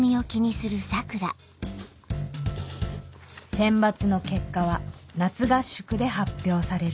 選抜の結果は夏合宿で発表される